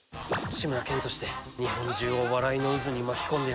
「志村けんとして日本中を笑いの渦に巻き込んでやるんだ」